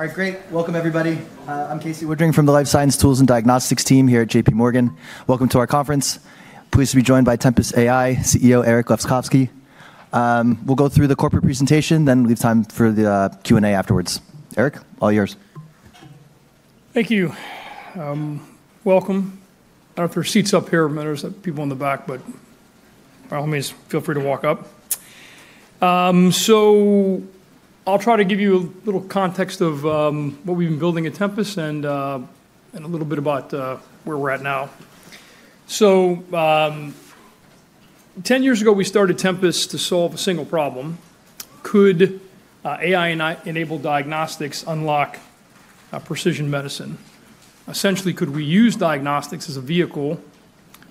All right, great. Welcome, everybody. I'm Casey Woodring from the Life Science Tools and Diagnostics team here at J.P. Morgan. Welcome to our conference. Pleased to be joined by Tempus AI CEO Eric Lefkofsky. We'll go through the corporate presentation, then leave time for the Q&A afterwards. Eric, all yours. Thank you. Welcome. I don't have seats up here. I'm going to have people in the back, but my homies, feel free to walk up. So I'll try to give you a little context of what we've been building at Tempus and a little bit about where we're at now. So 10 years ago, we started Tempus to solve a single problem. Could AI-enabled diagnostics unlock precision medicine? Essentially, could we use diagnostics as a vehicle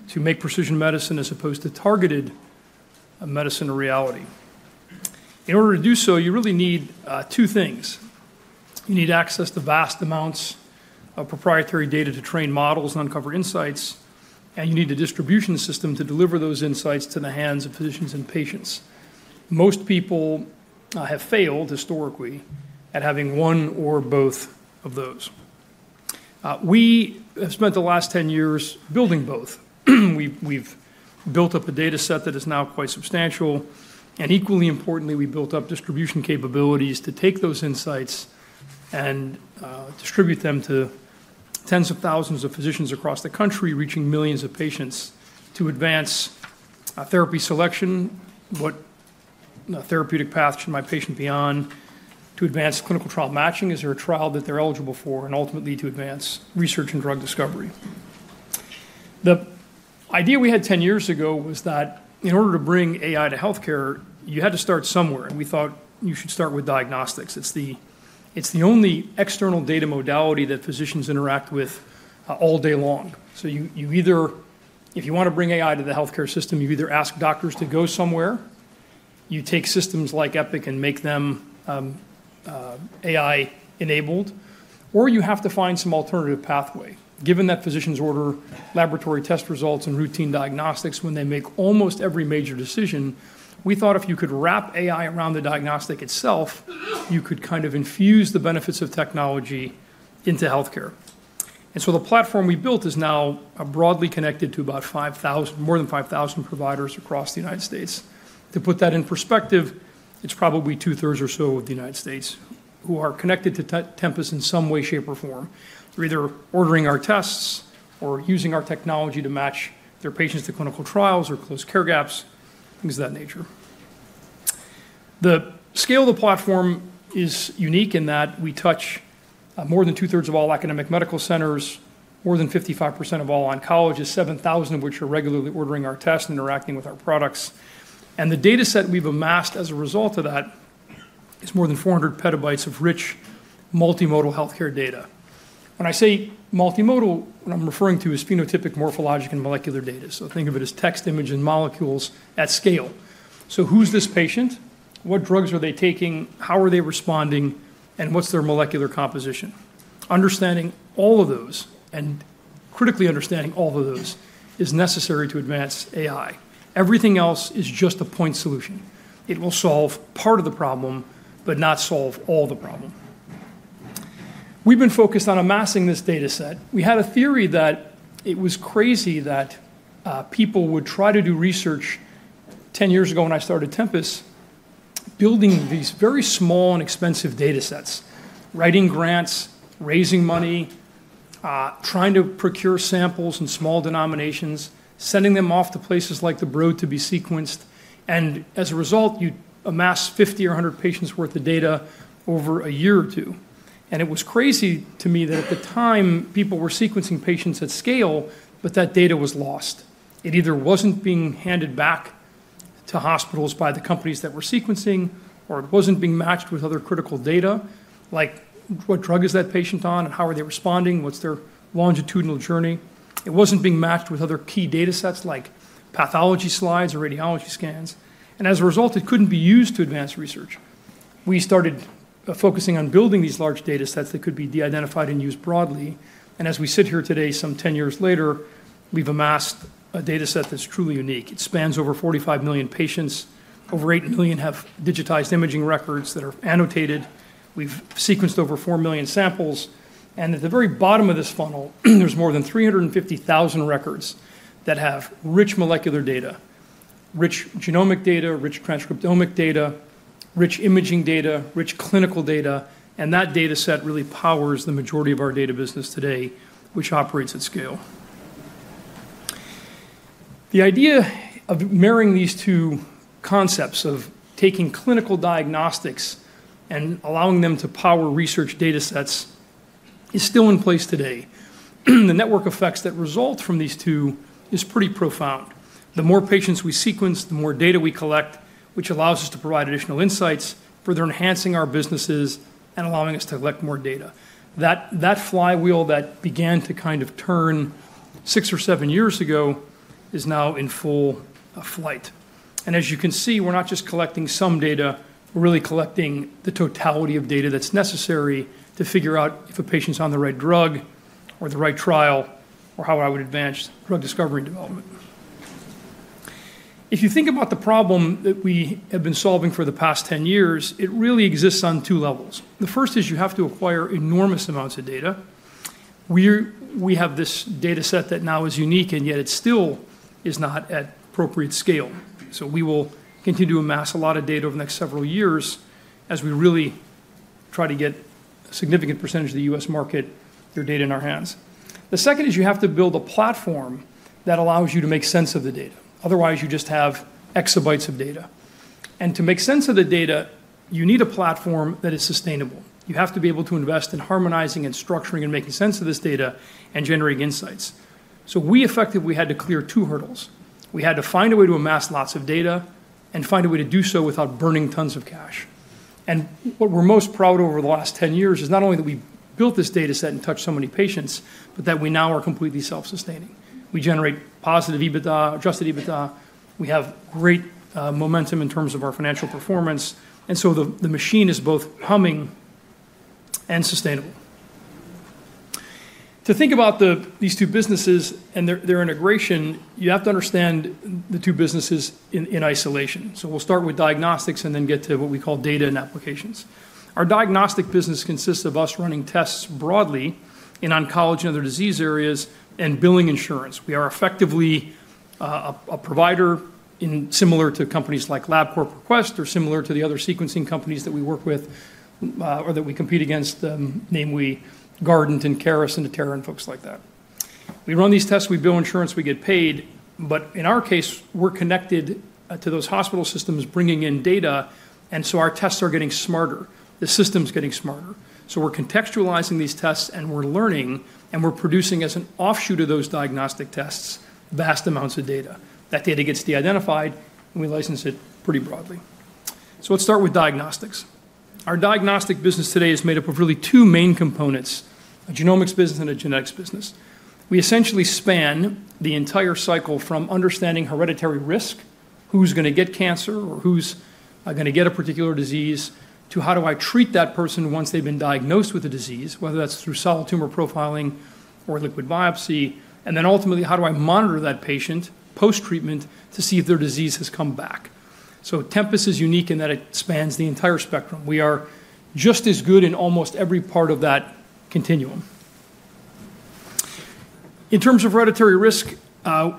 to make precision medicine as opposed to targeted medicine a reality? In order to do so, you really need two things. You need access to vast amounts of proprietary data to train models and uncover insights, and you need a distribution system to deliver those insights to the hands of physicians and patients. Most people have failed historically at having one or both of those. We have spent the last 10 years building both. We've built up a data set that is now quite substantial. And equally importantly, we built up distribution capabilities to take those insights and distribute them to tens of thousands of physicians across the country, reaching millions of patients to advance therapy selection, what therapeutic path should my patient be on, to advance clinical trial matching, is there a trial that they're eligible for, and ultimately to advance research and drug discovery. The idea we had 10 years ago was that in order to bring AI to health care, you had to start somewhere. And we thought you should start with diagnostics. It's the only external data modality that physicians interact with all day long. So if you want to bring AI to the health care system, you either ask doctors to go somewhere, you take systems like Epic and make them AI-enabled, or you have to find some alternative pathway. Given that physicians order laboratory test results and routine diagnostics when they make almost every major decision, we thought if you could wrap AI around the diagnostic itself, you could kind of infuse the benefits of technology into health care. And so the platform we built is now broadly connected to about more than 5,000 providers across the United States. To put that in perspective, it's probably two-thirds or so of the United States who are connected to Tempus in some way, shape, or form. They're either ordering our tests or using our technology to match their patients to clinical trials or close care gaps, things of that nature. The scale of the platform is unique in that we touch more than two-thirds of all academic medical centers, more than 55% of all oncologists, 7,000 of which are regularly ordering our tests and interacting with our products. And the data set we've amassed as a result of that is more than 400 petabytes of rich multimodal health care data. When I say multimodal, what I'm referring to is phenotypic, morphologic, and molecular data. So think of it as text, image, and molecules at scale. So who's this patient? What drugs are they taking? How are they responding? And what's their molecular composition? Understanding all of those and critically understanding all of those is necessary to advance AI. Everything else is just a point solution. It will solve part of the problem, but not solve all the problem. We've been focused on amassing this data set. We had a theory that it was crazy that people would try to do research 10 years ago when I started Tempus, building these very small and expensive data sets, writing grants, raising money, trying to procure samples in small denominations, sending them off to places like the Broad to be sequenced, and as a result, you amass 50 or 100 patients' worth of data over a year or two, and it was crazy to me that at the time, people were sequencing patients at scale, but that data was lost. It either wasn't being handed back to hospitals by the companies that were sequencing, or it wasn't being matched with other critical data, like what drug is that patient on and how are they responding, what's their longitudinal journey. It wasn't being matched with other key data sets, like pathology slides or radiology scans. And as a result, it couldn't be used to advance research. We started focusing on building these large data sets that could be de-identified and used broadly. And as we sit here today, some 10 years later, we've amassed a data set that's truly unique. It spans over 45 million patients. Over eight million have digitized imaging records that are annotated. We've sequenced over four million samples. And at the very bottom of this funnel, there's more than 350,000 records that have rich molecular data, rich genomic data, rich transcriptomic data, rich imaging data, rich clinical data. And that data set really powers the majority of our data business today, which operates at scale. The idea of marrying these two concepts of taking clinical diagnostics and allowing them to power research data sets is still in place today. The network effects that result from these two is pretty profound. The more patients we sequence, the more data we collect, which allows us to provide additional insights for their enhancing our businesses and allowing us to collect more data. That flywheel that began to kind of turn six or seven years ago is now in full flight, and as you can see, we're not just collecting some data. We're really collecting the totality of data that's necessary to figure out if a patient's on the right drug or the right trial or how I would advance drug discovery and development. If you think about the problem that we have been solving for the past 10 years, it really exists on two levels. The first is you have to acquire enormous amounts of data. We have this data set that now is unique, and yet it still is not at appropriate scale. So we will continue to amass a lot of data over the next several years as we really try to get a significant percentage of the U.S. market's data in our hands. The second is you have to build a platform that allows you to make sense of the data. Otherwise, you just have exabytes of data, and to make sense of the data, you need a platform that is sustainable. You have to be able to invest in harmonizing and structuring and making sense of this data and generating insights, so we effectively had to clear two hurdles. We had to find a way to amass lots of data and find a way to do so without burning tons of cash. What we're most proud of over the last 10 years is not only that we built this data set and touched so many patients, but that we now are completely self-sustaining. We generate positive adjusted EBITDA. We have great momentum in terms of our financial performance. The machine is both humming and sustainable. To think about these two businesses and their integration, you have to understand the two businesses in isolation. We'll start with diagnostics and then get to what we call data and applications. Our diagnostic business consists of us running tests broadly in oncology and other disease areas and billing insurance. We are effectively a provider similar to companies like LabCorp, Quest or similar to the other sequencing companies that we work with or that we compete against, namely Guardant and Caris and Natera and folks like that. We run these tests. We bill insurance. We get paid. But in our case, we're connected to those hospital systems bringing in data. And so our tests are getting smarter. The system's getting smarter. So we're contextualizing these tests, and we're learning, and we're producing as an offshoot of those diagnostic tests vast amounts of data. That data gets de-identified, and we license it pretty broadly. So let's start with diagnostics. Our diagnostic business today is made up of really two main components, a genomics business and a genetics business. We essentially span the entire cycle from understanding hereditary risk, who's going to get cancer or who's going to get a particular disease, to how do I treat that person once they've been diagnosed with a disease, whether that's through solid tumor profiling or liquid biopsy, and then ultimately how do I monitor that patient post-treatment to see if their disease has come back. Tempus is unique in that it spans the entire spectrum. We are just as good in almost every part of that continuum. In terms of hereditary risk,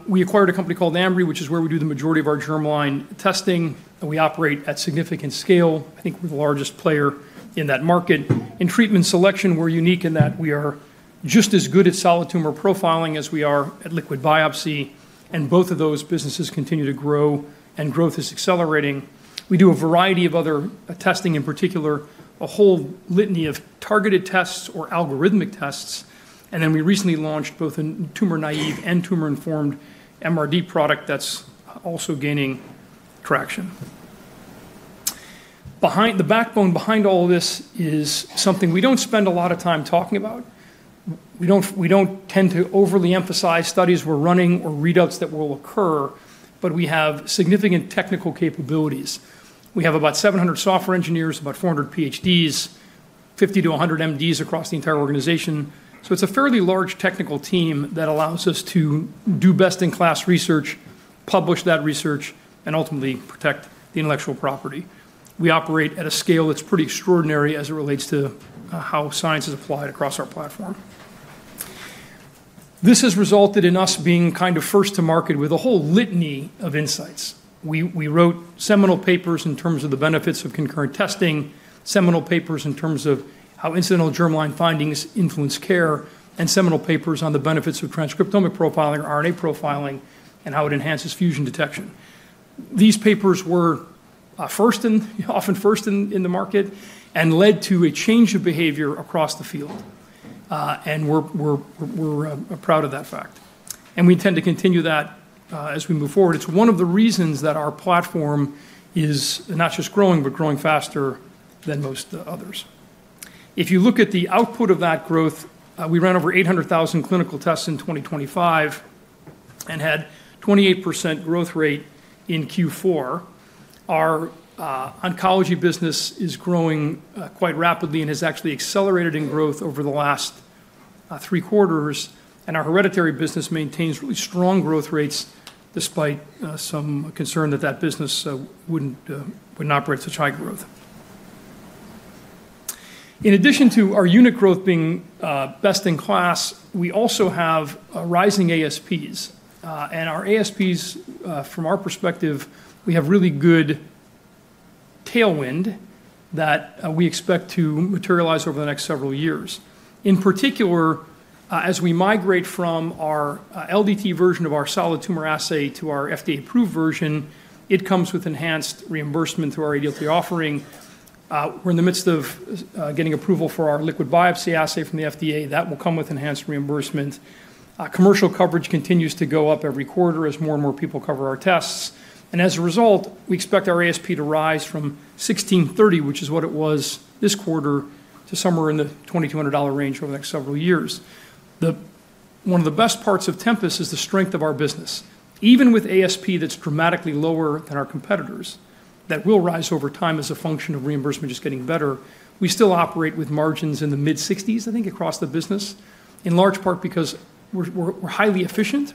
we acquired a company called Ambry, which is where we do the majority of our germline testing. We operate at significant scale. I think we're the largest player in that market. In treatment selection, we're unique in that we are just as good at solid tumor profiling as we are at liquid biopsy. And both of those businesses continue to grow, and growth is accelerating. We do a variety of other testing, in particular, a whole litany of targeted tests or algorithmic tests. And then we recently launched both a tumor naive and tumor informed MRD product that's also gaining traction. The backbone behind all of this is something we don't spend a lot of time talking about. We don't tend to overly emphasize studies we're running or readouts that will occur, but we have significant technical capabilities. We have about 700 software engineers, about 400 PhDs, 50-100 MDs across the entire organization. So it's a fairly large technical team that allows us to do best-in-class research, publish that research, and ultimately protect the intellectual property. We operate at a scale that's pretty extraordinary as it relates to how science is applied across our platform. This has resulted in us being kind of first to market with a whole litany of insights. We wrote seminal papers in terms of the benefits of concurrent testing, seminal papers in terms of how incidental germline findings influence care, and seminal papers on the benefits of transcriptomic profiling, RNA profiling, and how it enhances fusion detection. These papers were often first in the market and led to a change of behavior across the field, and we're proud of that fact, and we intend to continue that as we move forward. It's one of the reasons that our platform is not just growing, but growing faster than most others. If you look at the output of that growth, we ran over 800,000 clinical tests in 2025 and had a 28% growth rate in Q4. Our oncology business is growing quite rapidly and has actually accelerated in growth over the last three quarters, and our hereditary business maintains really strong growth rates despite some concern that that business wouldn't operate at such high growth. In addition to our unit growth being best in class, we also have rising ASPs. And our ASPs, from our perspective, we have really good tailwind that we expect to materialize over the next several years. In particular, as we migrate from our LDT version of our solid tumor assay to our FDA-approved version, it comes with enhanced reimbursement through our ADLT offering. We're in the midst of getting approval for our liquid biopsy assay from the FDA. That will come with enhanced reimbursement. Commercial coverage continues to go up every quarter as more and more people cover our tests. And as a result, we expect our ASP to rise from $1,630, which is what it was this quarter, to somewhere in the $2,200 range over the next several years. One of the best parts of Tempus is the strength of our business. Even with ASP that's dramatically lower than our competitors that will rise over time as a function of reimbursement just getting better, we still operate with margins in the mid-60s%, I think, across the business, in large part because we're highly efficient,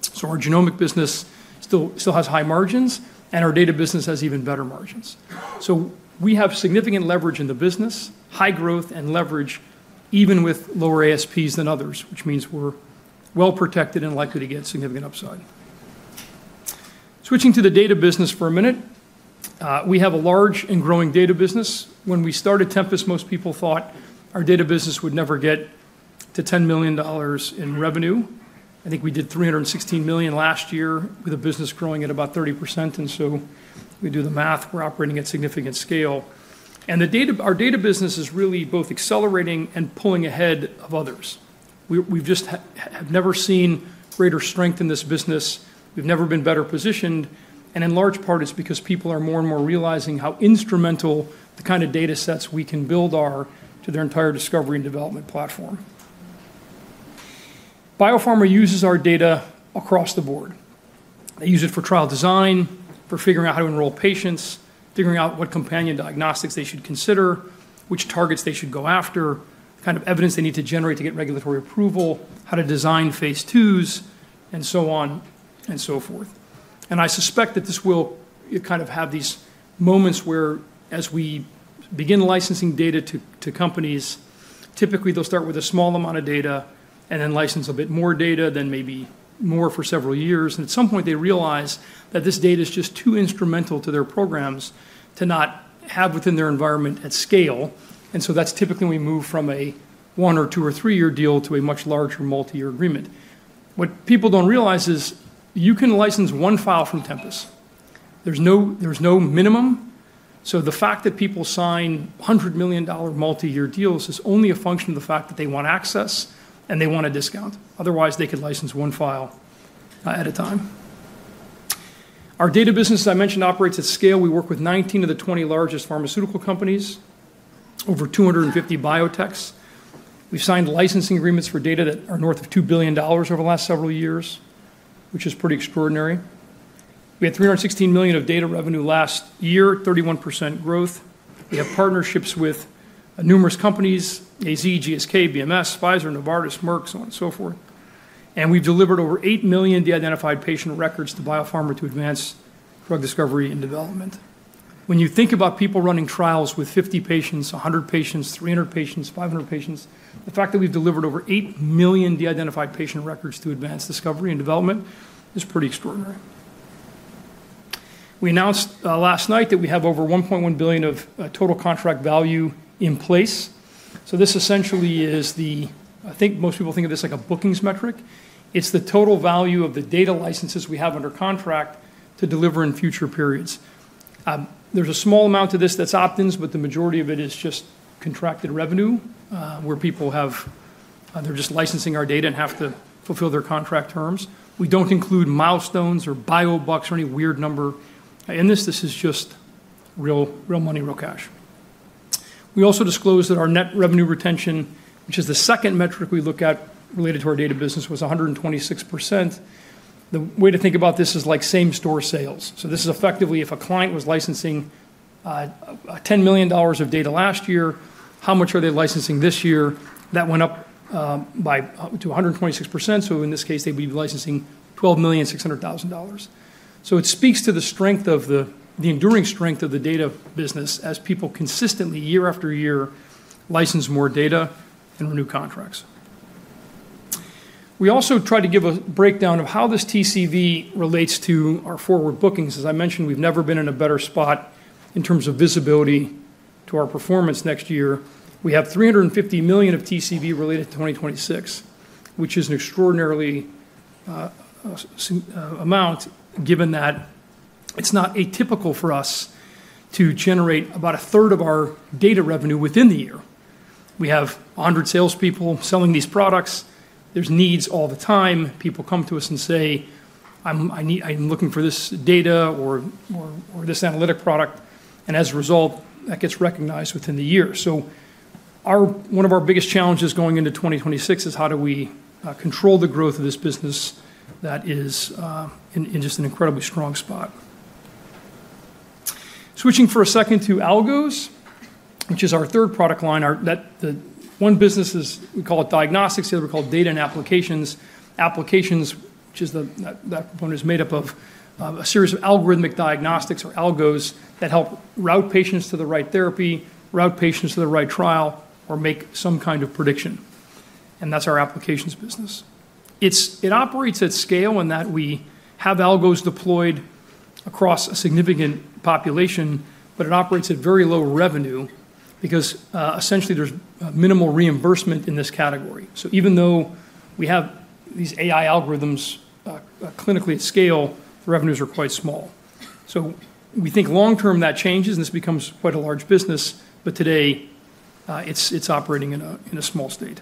so our genomic business still has high margins, and our data business has even better margins, so we have significant leverage in the business, high growth, and leverage even with lower ASPs than others, which means we're well protected and likely to get significant upside. Switching to the data business for a minute, we have a large and growing data business. When we started Tempus, most people thought our data business would never get to $10 million in revenue. I think we did $316 million last year with a business growing at about 30%. and so we do the math. We're operating at significant scale. Our data business is really both accelerating and pulling ahead of others. We've just never seen greater strength in this business. We've never been better positioned. In large part, it's because people are more and more realizing how instrumental the kind of data sets we can build are to their entire discovery and development platform. Biopharma uses our data across the board. They use it for trial design, for figuring out how to enroll patients, figuring out what companion diagnostics they should consider, which targets they should go after, the kind of evidence they need to generate to get regulatory approval, how to design Phase 2s, and so on and so forth. I suspect that this will kind of have these moments where, as we begin licensing data to companies, typically they'll start with a small amount of data and then license a bit more data, then maybe more for several years. And at some point, they realize that this data is just too instrumental to their programs to not have within their environment at scale. And so that's typically when we move from a one- or two- or three-year deal to a much larger multi-year agreement. What people don't realize is you can license one file from Tempus. There's no minimum. So the fact that people sign $100 million multi-year deals is only a function of the fact that they want access and they want a discount. Otherwise, they could license one file at a time. Our data business, as I mentioned, operates at scale. We work with 19 of the 20 largest pharmaceutical companies, over 250 biotechs. We've signed licensing agreements for data that are north of $2 billion over the last several years, which is pretty extraordinary. We had $316 million of data revenue last year, 31% growth. We have partnerships with numerous companies: AZ, GSK, BMS, Pfizer, Novartis, Merck, so on and so forth, and we've delivered over 8 million de-identified patient records to biopharma to advance drug discovery and development. When you think about people running trials with 50 patients, 100 patients, 300 patients, 500 patients, the fact that we've delivered over 8 million de-identified patient records to advance discovery and development is pretty extraordinary. We announced last night that we have over $1.1 billion of total contract value in place, so this essentially is the, I think most people think of this like a bookings metric. It's the total value of the data licenses we have under contract to deliver in future periods. There's a small amount of this that's opt-ins, but the majority of it is just contracted revenue where people have, they're just licensing our data and have to fulfill their contract terms. We don't include milestones or biobucks or any weird number in this. This is just real money, real cash. We also disclosed that our net revenue retention, which is the second metric we look at related to our data business, was 126%. The way to think about this is like same-store sales. So this is effectively if a client was licensing $10 million of data last year, how much are they licensing this year? That went up to 126%. So in this case, they'd be licensing $12.6 million. It speaks to the strength of the enduring strength of the data business as people consistently, year after year, license more data and renew contracts. We also tried to give a breakdown of how this TCV relates to our forward bookings. As I mentioned, we've never been in a better spot in terms of visibility to our performance next year. We have $350 million of TCV related to 2026, which is an extraordinary amount given that it's not atypical for us to generate about a third of our data revenue within the year. We have 100 salespeople selling these products. There's needs all the time. People come to us and say, "I'm looking for this data or this analytic product." As a result, that gets recognized within the year. So one of our biggest challenges going into 2026 is how do we control the growth of this business that is in just an incredibly strong spot. Switching for a second to algos, which is our third product line. The one business is we call it diagnostics. The other we call it data and applications. Applications, which is that component, is made up of a series of algorithmic diagnostics or algos that help route patients to the right therapy, route patients to the right trial, or make some kind of prediction. And that's our applications business. It operates at scale in that we have algos deployed across a significant population, but it operates at very low revenue because essentially there's minimal reimbursement in this category. So even though we have these AI algorithms clinically at scale, the revenues are quite small. So we think long-term that changes, and this becomes quite a large business, but today it's operating in a small state.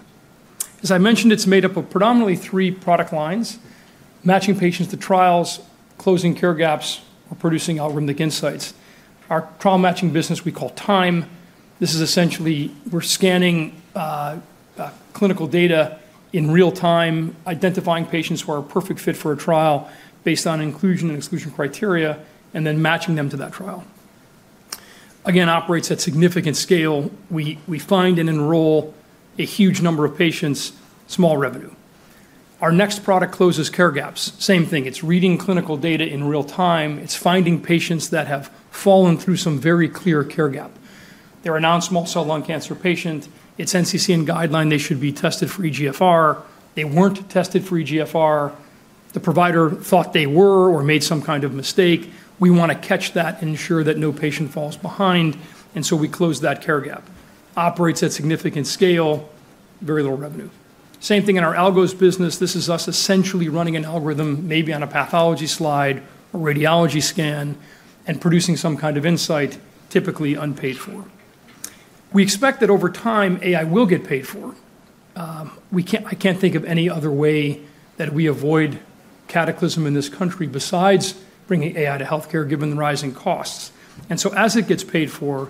As I mentioned, it's made up of predominantly three product lines: matching patients to trials, closing care gaps, or producing algorithmic insights. Our trial matching business we call TIME. This is essentially we're scanning clinical data in real time, identifying patients who are a perfect fit for a trial based on inclusion and exclusion criteria, and then matching them to that trial. Again, operates at significant scale. We find and enroll a huge number of patients, small revenue. Our next product closes care gaps. Same thing. It's reading clinical data in real time. It's finding patients that have fallen through some very clear care gap. They're a non-small cell lung cancer patient. It's NCCN guideline. They should be tested for EGFR. They weren't tested for EGFR. The provider thought they were or made some kind of mistake. We want to catch that and ensure that no patient falls behind, and so we close that care gap. Operates at significant scale, very low revenue. Same thing in our algos business. This is us essentially running an algorithm maybe on a pathology slide or radiology scan and producing some kind of insight, typically unpaid for. We expect that over time, AI will get paid for. I can't think of any other way that we avoid cataclysm in this country besides bringing AI to healthcare given the rising costs. And so as it gets paid for,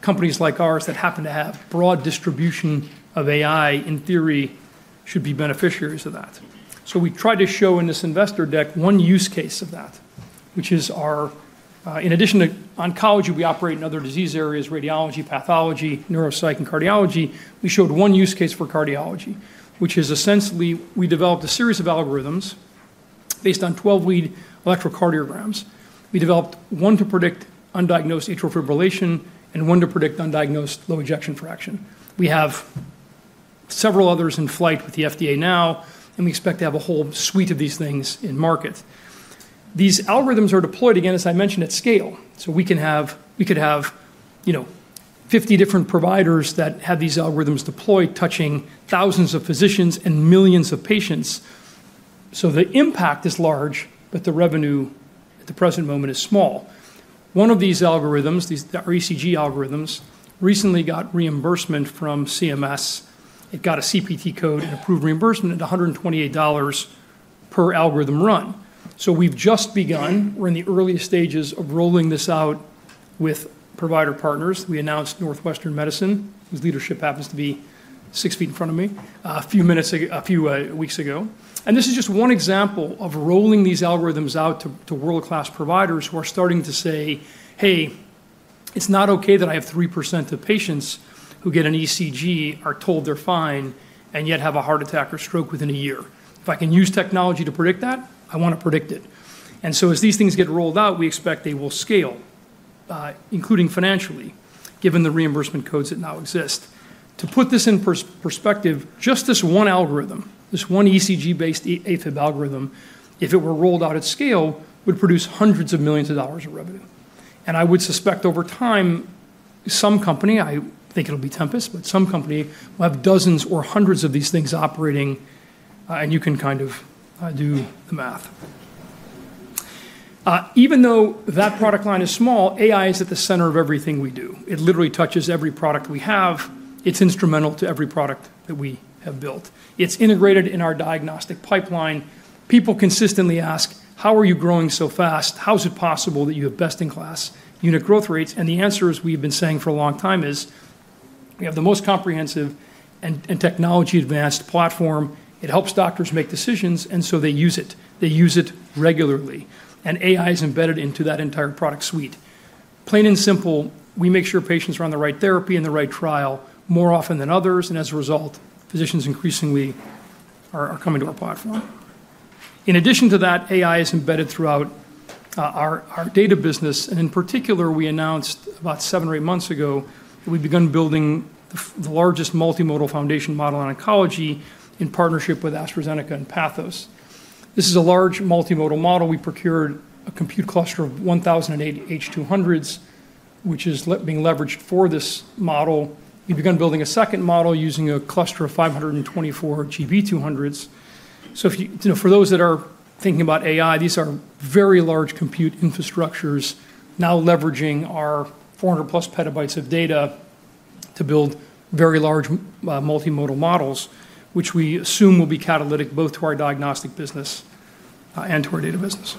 companies like ours that happen to have broad distribution of AI in theory should be beneficiaries of that. So we try to show in this investor deck one use case of that, which is our, in addition to oncology, we operate in other disease areas: radiology, pathology, neuropsych, and cardiology. We showed one use case for cardiology, which is essentially we developed a series of algorithms based on 12-lead electrocardiograms. We developed one to predict undiagnosed atrial fibrillation and one to predict undiagnosed low ejection fraction. We have several others in flight with the FDA now, and we expect to have a whole suite of these things in market. These algorithms are deployed, again, as I mentioned, at scale. So we could have 50 different providers that have these algorithms deployed, touching thousands of physicians and millions of patients. So the impact is large, but the revenue at the present moment is small. One of these algorithms, our ECG algorithms, recently got reimbursement from CMS. It got a CPT code and approved reimbursement at $128 per algorithm run. So we've just begun. We're in the early stages of rolling this out with provider partners. We announced Northwestern Medicine. His leadership happens to be six feet in front of me a few weeks ago. And this is just one example of rolling these algorithms out to world-class providers who are starting to say, "Hey, it's not okay that I have 3% of patients who get an ECG are told they're fine and yet have a heart attack or stroke within a year. If I can use technology to predict that, I want to predict it." And so as these things get rolled out, we expect they will scale, including financially, given the reimbursement codes that now exist. To put this in perspective, just this one algorithm, this one ECG-based AFib algorithm, if it were rolled out at scale, would produce hundreds of millions of dollars of revenue. And I would suspect over time, some company, I think it'll be Tempus, but some company will have dozens or hundreds of these things operating, and you can kind of do the math. Even though that product line is small, AI is at the center of everything we do. It literally touches every product we have. It's instrumental to every product that we have built. It's integrated in our diagnostic pipeline. People consistently ask, "How are you growing so fast? How is it possible that you have best-in-class unit growth rates?" And the answer is we've been saying for a long time is we have the most comprehensive and technology-advanced platform. It helps doctors make decisions, and so they use it. They use it regularly, and AI is embedded into that entire product suite. Plain and simple, we make sure patients are on the right therapy and the right trial more often than others, and as a result, physicians increasingly are coming to our platform. In addition to that, AI is embedded throughout our data business, and in particular, we announced about seven or eight months ago that we've begun building the largest multimodal foundation model on oncology in partnership with AstraZeneca and Pathos. This is a large multimodal model. We procured a compute cluster of 1,008 H200s, which is being leveraged for this model. We've begun building a second model using a cluster of 524 GB200s. So for those that are thinking about AI, these are very large compute infrastructures now leveraging our 400-plus petabytes of data to build very large multimodal models, which we assume will be catalytic both to our diagnostic business and to our data business.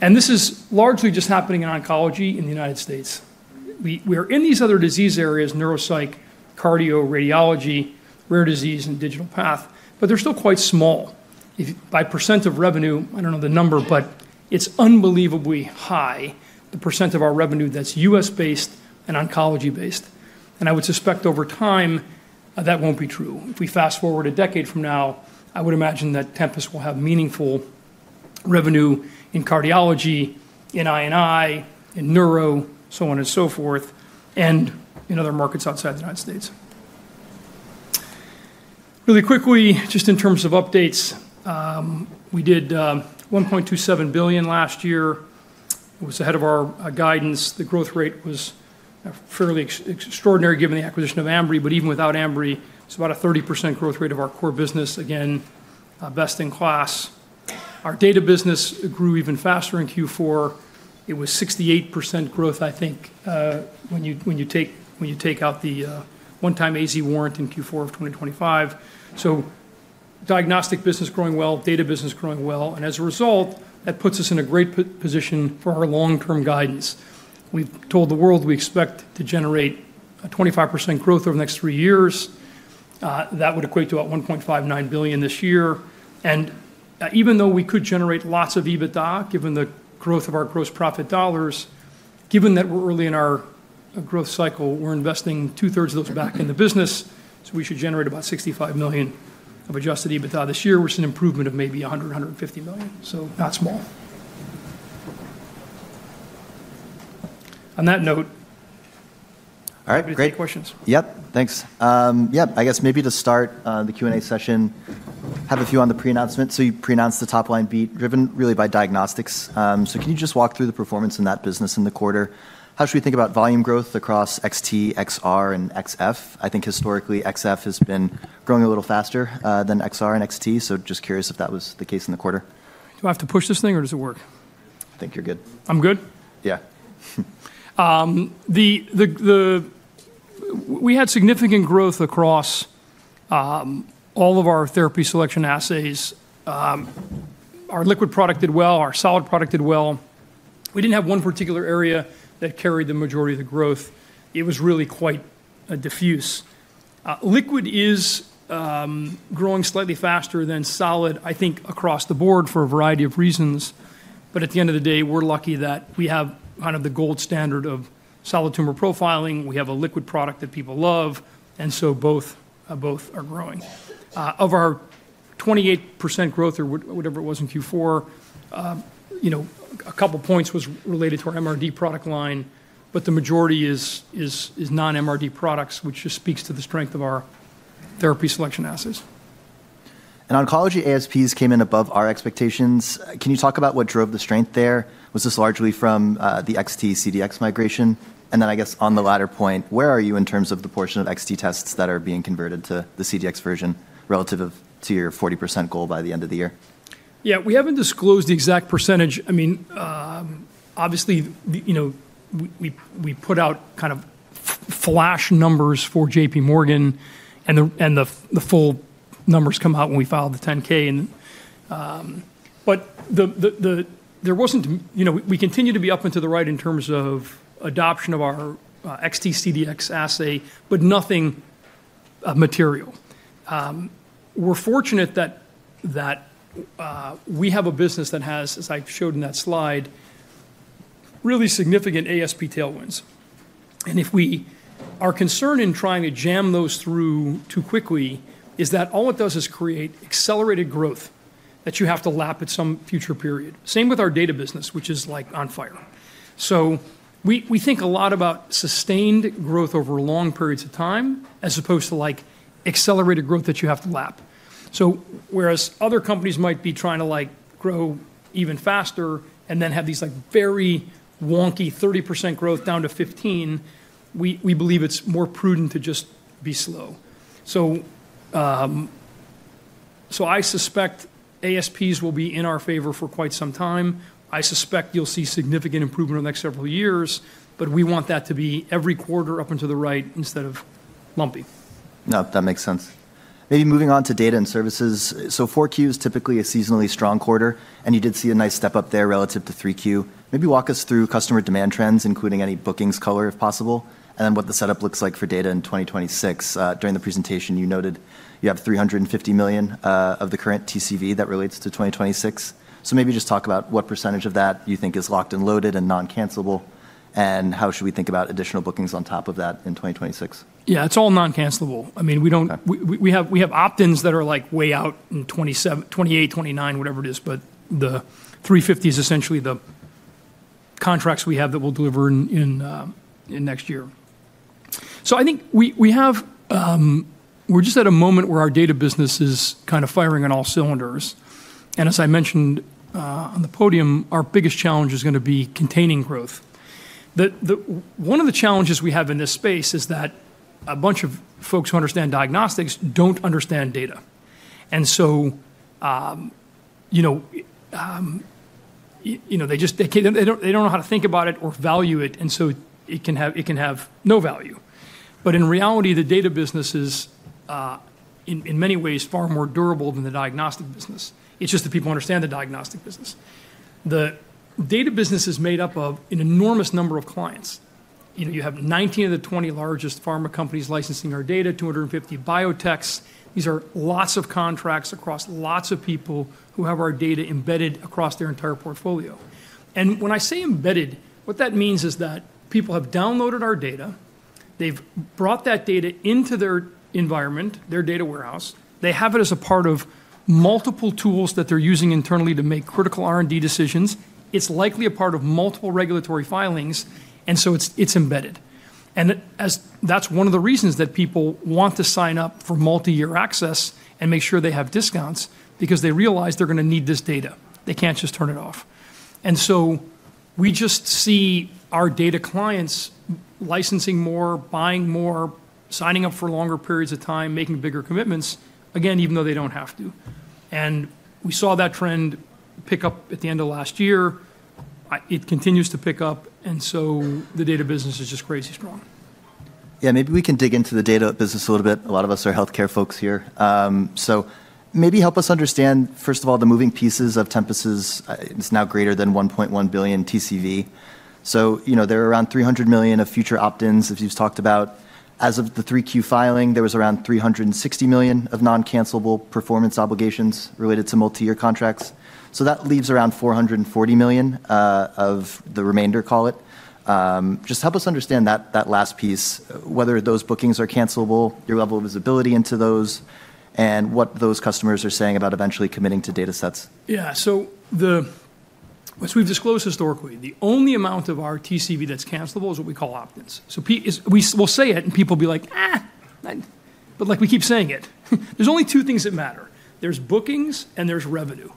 And this is largely just happening in oncology in the United States. We are in these other disease areas: neuropsych, cardio, radiology, rare disease, and digital path. But they're still quite small. By % of revenue, I don't know the number, but it's unbelievably high, the % of our revenue that's U.S.-based and oncology-based. And I would suspect over time that won't be true. If we fast forward a decade from now, I would imagine that Tempus will have meaningful revenue in cardiology, in I&I, in neuro, so on and so forth, and in other markets outside the United States. Really quickly, just in terms of updates, we did $1.27 billion last year. It was ahead of our guidance. The growth rate was fairly extraordinary given the acquisition of Ambry, but even without Ambry, it's about a 30% growth rate of our core business, again, best-in-class. Our data business grew even faster in Q4. It was 68% growth, I think, when you take out the one-time AZ warrant in Q4 of 2025. So diagnostic business growing well, data business growing well. And as a result, that puts us in a great position for our long-term guidance. We've told the world we expect to generate 25% growth over the next three years. That would equate to about $1.59 billion this year. And even though we could generate lots of EBITDA given the growth of our gross profit dollars, given that we're early in our growth cycle, we're investing two-thirds of those back in the business. So we should generate about $65 million of adjusted EBITDA this year, which is an improvement of maybe $100-$150 million. So not small. On that note. All right. Great. Any questions? Yep. Thanks. Yeah. I guess maybe to start the Q&A session, I have a few on the pre-announcement. So you pre-announced the top-line beat driven really by diagnostics. So can you just walk through the performance in that business in the quarter? How should we think about volume growth across xT, xR, and xF? I think historically xF has been growing a little faster than xR and xT. So just curious if that was the case in the quarter. Do I have to push this thing or does it work? I think you're good. I'm good? Yeah. We had significant growth across all of our therapy selection assays. Our liquid product did well. Our solid product did well. We didn't have one particular area that carried the majority of the growth. It was really quite diffuse. Liquid is growing slightly faster than solid, I think, across the board for a variety of reasons. But at the end of the day, we're lucky that we have kind of the gold standard of solid tumor profiling. We have a liquid product that people love. And so both are growing. Of our 28% growth or whatever it was in Q4, a couple of points was related to our MRD product line, but the majority is non-MRD products, which just speaks to the strength of our therapy selection assays. Oncology ASPs came in above our expectations. Can you talk about what drove the strength there? Was this largely from the xT CDx migration? And then I guess on the latter point, where are you in terms of the portion of xT tests that are being converted to the CDx version relative to your 40% goal by the end of the year? Yeah. We haven't disclosed the exact percentage. I mean, obviously, we put out kind of flash numbers for J.P. Morgan, and the full numbers come out when we file the 10-K. But there wasn't. We continue to be up and to the right in terms of adoption of our xT CDx assay, but nothing material. We're fortunate that we have a business that has, as I showed in that slide, really significant ASP tailwinds. And if we are concerned in trying to jam those through too quickly, is that all it does is create accelerated growth that you have to lap at some future period. Same with our data business, which is like on fire. So we think a lot about sustained growth over long periods of time as opposed to accelerated growth that you have to lap. So whereas other companies might be trying to grow even faster and then have these very wonky 30% growth down to 15%, we believe it's more prudent to just be slow. So I suspect ASPs will be in our favor for quite some time. I suspect you'll see significant improvement over the next several years, but we want that to be every quarter up and to the right instead of lumpy. No, that makes sense. Maybe moving on to data and services. So 4Q is typically a seasonally strong quarter, and you did see a nice step up there relative to 3Q. Maybe walk us through customer demand trends, including any bookings color if possible, and then what the setup looks like for data in 2026. During the presentation, you noted you have $350 million of the current TCV that relates to 2026. So maybe just talk about what percentage of that you think is locked and loaded and non-cancelable, and how should we think about additional bookings on top of that in 2026? Yeah, it's all non-cancelable. I mean, we have opt-ins that are way out in 2028, 2029, whatever it is, but the 350 is essentially the contracts we have that we'll deliver in next year. So I think we're just at a moment where our data business is kind of firing on all cylinders. And as I mentioned on the podium, our biggest challenge is going to be containing growth. One of the challenges we have in this space is that a bunch of folks who understand diagnostics don't understand data. And so they don't know how to think about it or value it, and so it can have no value. But in reality, the data business is, in many ways, far more durable than the diagnostic business. It's just that people understand the diagnostic business. The data business is made up of an enormous number of clients. You have 19 of the 20 largest pharma companies licensing our data, 250 biotechs. These are lots of contracts across lots of people who have our data embedded across their entire portfolio, and when I say embedded, what that means is that people have downloaded our data. They've brought that data into their environment, their data warehouse. They have it as a part of multiple tools that they're using internally to make critical R&D decisions. It's likely a part of multiple regulatory filings, and so it's embedded, and that's one of the reasons that people want to sign up for multi-year access and make sure they have discounts because they realize they're going to need this data. They can't just turn it off. And so we just see our data clients licensing more, buying more, signing up for longer periods of time, making bigger commitments, again, even though they don't have to. And we saw that trend pick up at the end of last year. It continues to pick up. And so the data business is just crazy strong. Yeah. Maybe we can dig into the data business a little bit. A lot of us are healthcare folks here. So maybe help us understand, first of all, the moving pieces of Tempus's. It's now greater than $1.1 billion TCV. So there are around $300 million of future opt-ins, as you've talked about. As of the 3Q filing, there was around $360 million of non-cancelable performance obligations related to multi-year contracts. So that leaves around $440 million of the remainder, call it. Just help us understand that last piece, whether those bookings are cancelable, your level of visibility into those, and what those customers are saying about eventually committing to data sets. Yeah. So as we've disclosed historically, the only amount of our TCV that's cancelable is what we call opt-ins. So we'll say it, and people will be like, "But we keep saying it." There's only two things that matter. There's bookings, and there's revenue.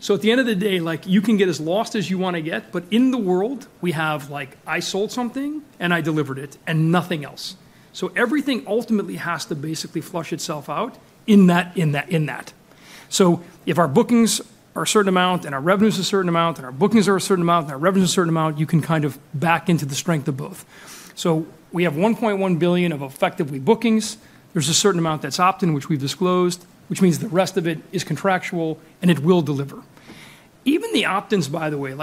So at the end of the day, you can get as lost as you want to get, but in the world, we have like, "I sold something, and I delivered it, and nothing else." So everything ultimately has to basically flush itself out in that. So if our bookings are a certain amount, and our revenues are a certain amount, and our bookings are a certain amount, and our revenues are a certain amount, you can kind of back into the strength of both. So we have $1.1 billion of effectively bookings. There's a certain amount that's opt-in, which we've disclosed, which means the rest of it is contractual, and it will deliver. Even the opt-ins, by the way,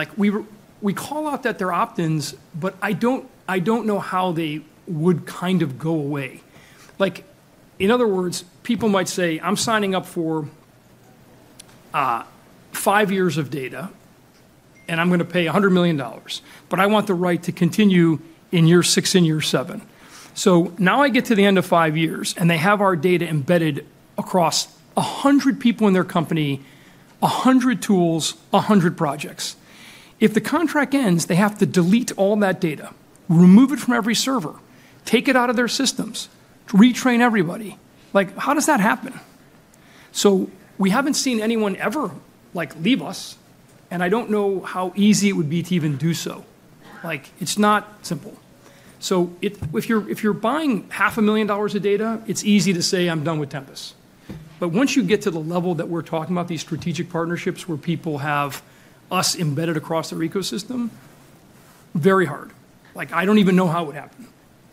we call out that they're opt-ins, but I don't know how they would kind of go away. In other words, people might say, "I'm signing up for five years of data, and I'm going to pay $100 million, but I want the right to continue in year six and year seven." So now I get to the end of five years, and they have our data embedded across 100 people in their company, 100 tools, 100 projects. If the contract ends, they have to delete all that data, remove it from every server, take it out of their systems, retrain everybody. How does that happen? So we haven't seen anyone ever leave us, and I don't know how easy it would be to even do so. It's not simple. So if you're buying $500,000 of data, it's easy to say, "I'm done with Tempus." But once you get to the level that we're talking about, these strategic partnerships where people have us embedded across their ecosystem, very hard. I don't even know how it would happen.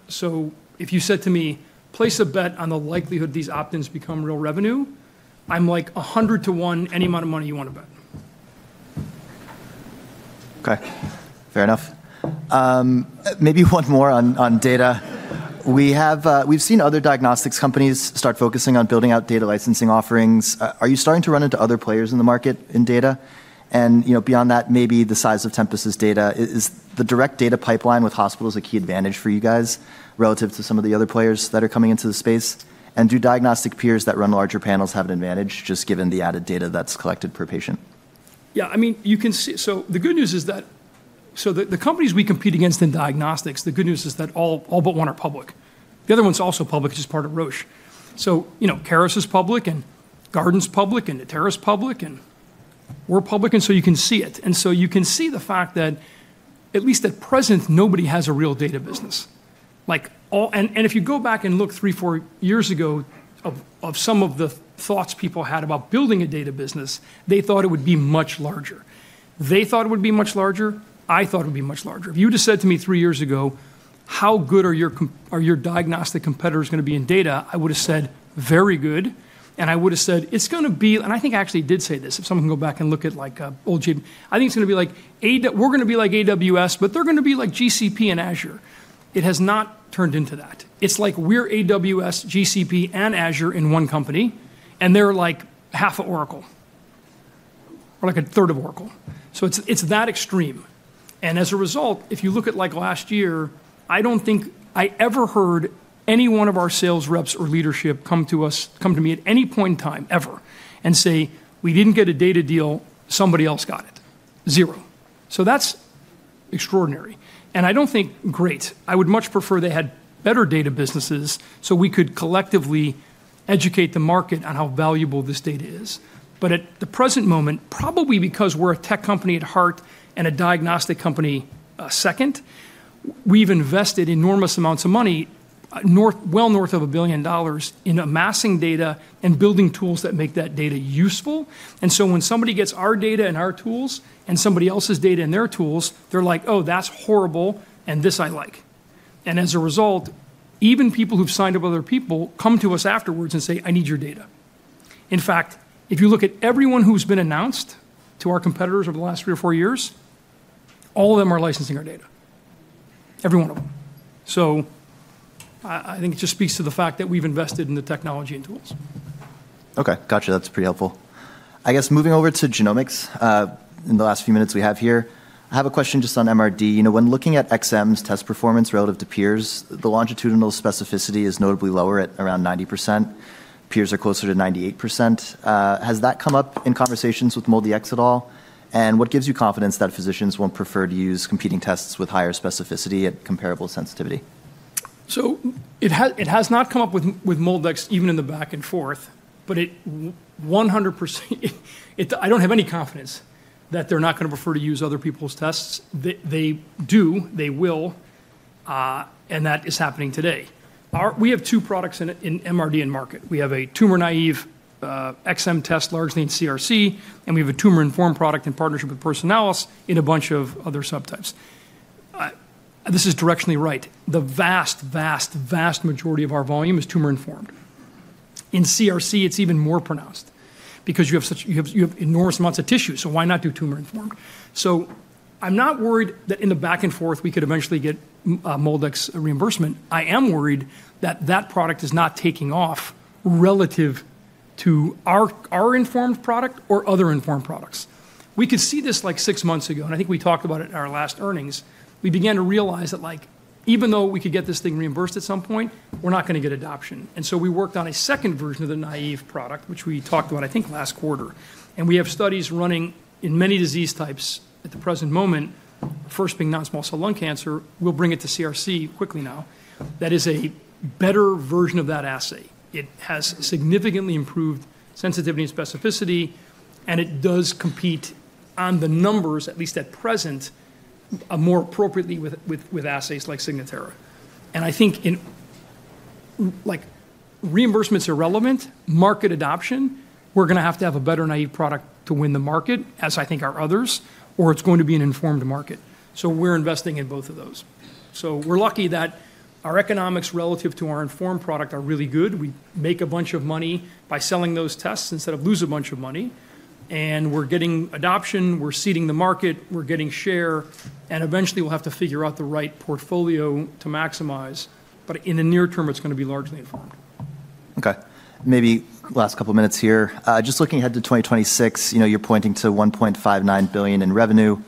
So if you said to me, "Place a bet on the likelihood these opt-ins become real revenue," I'm like, "100 to 1, any amount of money you want to bet. Okay. Fair enough. Maybe one more on data. We've seen other diagnostics companies start focusing on building out data licensing offerings. Are you starting to run into other players in the market in data? And beyond that, maybe the size of Tempus' data, is the direct data pipeline with hospitals a key advantage for you guys relative to some of the other players that are coming into the space? And do diagnostic peers that run larger panels have an advantage just given the added data that's collected per patient? Yeah. I mean, so the good news is that the companies we compete against in diagnostics, the good news is that all but one are public. The other one's also public, which is part of Roche. So Caris is public, and Guardant's public, and Natera's public, and we're public. And so you can see it. And so you can see the fact that, at least at present, nobody has a real data business. And if you go back and look three, four years ago of some of the thoughts people had about building a data business, they thought it would be much larger. They thought it would be much larger. I thought it would be much larger. If you had just said to me three years ago, "How good are your diagnostic competitors going to be in data?" I would have said, "Very good." And I would have said, "It's going to be-" and I think I actually did say this. If someone can go back and look at old JPM, I think it's going to be like, "We're going to be like AWS, but they're going to be like GCP and Azure." It has not turned into that. It's like we're AWS, GCP, and Azure in one company, and they're like half of Oracle or like a third of Oracle. So it's that extreme. And as a result, if you look at last year, I don't think I ever heard any one of our sales reps or leadership come to me at any point in time ever and say, "We didn't get a data deal. Somebody else got it." "Zero." So that's extraordinary. And I don't think, "Great." I would much prefer they had better data businesses so we could collectively educate the market on how valuable this data is. But at the present moment, probably because we're a tech company at heart and a diagnostic company second, we've invested enormous amounts of money, well north of $1 billion, in amassing data and building tools that make that data useful. And so when somebody gets our data and our tools and somebody else's data and their tools, they're like, "Oh, that's horrible, and this I like." And as a result, even people who've signed up other people come to us afterwards and say, "I need your data." In fact, if you look at everyone who's been announced to our competitors over the last three or four years, all of them are licensing our data. Every one of them. So I think it just speaks to the fact that we've invested in the technology and tools. Okay. Gotcha. That's pretty helpful. I guess moving over to genomics in the last few minutes we have here. I have a question just on MRD. When looking at xM's test performance relative to peers, the longitudinal specificity is notably lower at around 90%. Peers are closer to 98%. Has that come up in conversations with MolDX at all? And what gives you confidence that physicians won't prefer to use competing tests with higher specificity at comparable sensitivity? So it has not come up with MolDX even in the back and forth, but I don't have any confidence that they're not going to prefer to use other people's tests. They do. They will. And that is happening today. We have two products in MRD and market. We have a tumor-naive xM test largely in CRC, and we have a tumor-informed product in partnership with Personalis in a bunch of other subtypes. This is directionally right. The vast, vast, vast majority of our volume is tumor-informed. In CRC, it's even more pronounced because you have enormous amounts of tissue. So why not do tumor-informed? So I'm not worried that in the back and forth, we could eventually get MolDX reimbursement. I am worried that that product is not taking off relative to our informed product or other informed products. We could see this like six months ago, and I think we talked about it in our last earnings. We began to realize that even though we could get this thing reimbursed at some point, we're not going to get adoption, and so we worked on a second version of the naive product, which we talked about, I think, last quarter, and we have studies running in many disease types at the present moment, first being non-small cell lung cancer. We'll bring it to CRC quickly now. That is a better version of that assay. It has significantly improved sensitivity and specificity, and it does compete on the numbers, at least at present, more appropriately with assays like Signatera, and I think reimbursements are relevant. Market adoption, we're going to have to have a better naive product to win the market, as I think our others, or it's going to be an informed market, so we're investing in both of those, so we're lucky that our economics relative to our informed product are really good. We make a bunch of money by selling those tests instead of lose a bunch of money, and we're getting adoption. We're seeding the market. We're getting share, and eventually, we'll have to figure out the right portfolio to maximize, but in the near term, it's going to be largely informed. Okay. Maybe last couple of minutes here. Just looking ahead to 2026, you're pointing to $1.59 billion in revenue.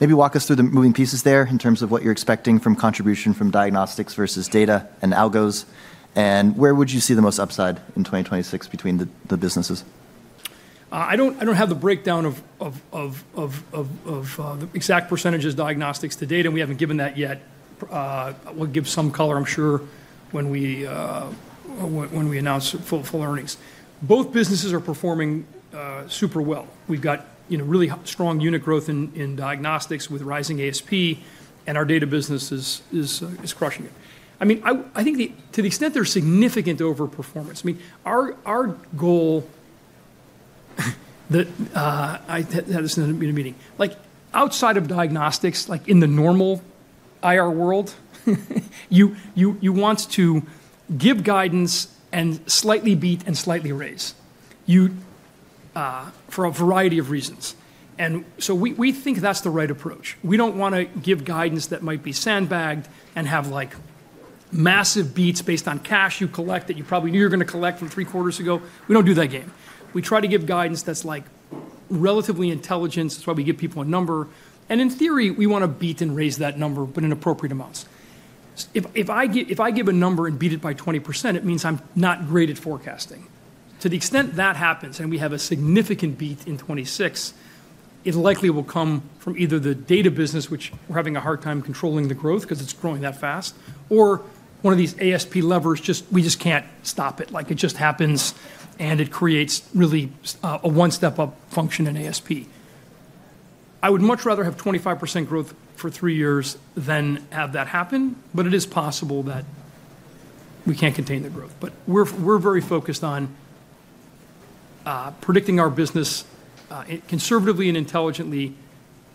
Maybe walk us through the moving pieces there in terms of what you're expecting from contribution from diagnostics versus data and algos. And where would you see the most upside in 2026 between the businesses? I don't have the breakdown of the exact percentages diagnostics to data, and we haven't given that yet. We'll give some color, I'm sure, when we announce full earnings. Both businesses are performing super well. We've got really strong unit growth in diagnostics with rising ASP, and our data business is crushing it. I mean, I think to the extent there's significant overperformance, I mean, our goal, this is in a meeting, outside of diagnostics, in the normal IR world, you want to give guidance and slightly beat and slightly raise for a variety of reasons, and so we think that's the right approach. We don't want to give guidance that might be sandbagged and have massive beats based on cash you collect that you probably knew you're going to collect from three quarters ago. We don't do that game. We try to give guidance that's relatively intelligent. That's why we give people a number and in theory, we want to beat and raise that number, but in appropriate amounts. If I give a number and beat it by 20%, it means I'm not great at forecasting. To the extent that happens and we have a significant beat in 2026, it likely will come from either the data business, which we're having a hard time controlling the growth because it's growing that fast, or one of these ASP levers, we just can't stop it. It just happens, and it creates really a one-step-up function in ASP. I would much rather have 25% growth for three years than have that happen but it is possible that we can't contain the growth but we're very focused on predicting our business conservatively and intelligently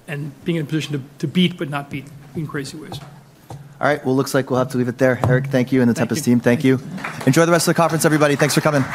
and being in a position to beat, but not beat in crazy ways. All right. Well, it looks like we'll have to leave it there. Eric, thank you. And the Tempus team, thank you. Enjoy the rest of the conference, everybody. Thanks for coming.